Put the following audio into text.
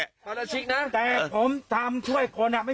แต่ผมทำช่วยคนอ่ะผมก็ทำช่วย